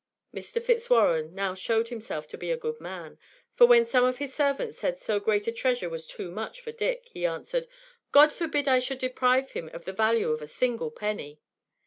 Mr. Fitzwarren now showed himself to be a good man; for when some of his servants said so great a treasure was too much for Dick, he answered: "God forbid I should deprive him of the value of a single penny."